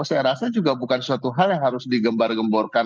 saya rasa juga bukan suatu hal yang harus digembar gemborkan